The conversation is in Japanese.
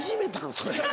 それ。